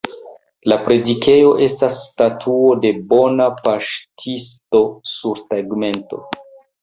La predikejo estas Statuo de Bona Paŝtisto sur tegmento.